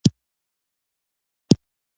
عاجزي کوونکی په زړه کې يې روحانيت راويښېږي.